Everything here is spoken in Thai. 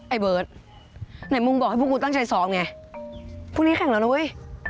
ไอเบิร์ตไหนมึงบอกให้พวกกูตั้งใจซ้อมไงพรุ่งนี้แข่งแล้วนะเว้ย